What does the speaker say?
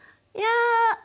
いや。